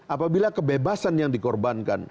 apabila kebebasan yang dikorbankan